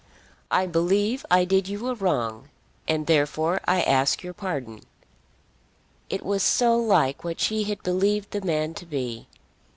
"I believe I did you a wrong, and therefore I ask your pardon!" It was so like what she had believed the man to be!